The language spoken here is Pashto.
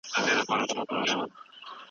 مذهب د دیني تعلیماتو د لیږد یوه مهمه وسیله ده.